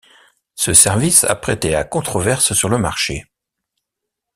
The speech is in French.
Ce service a prêté à controverse sur le marché.